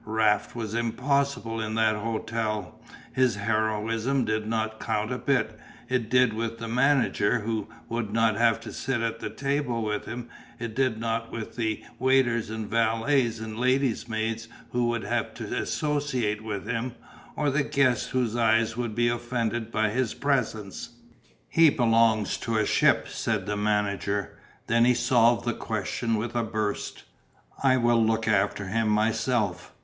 Raft was "impossible" in that hotel. His heroism did not count a bit; it did with the manager who would not have to sit at table with him, it did not with the waiters and valets and ladies' maids who would have to associate with him, or the guests whose eyes would be offended by his presence. "He belongs to a ship," said the manager. Then he solved the question with a burst. "I will look after him myself."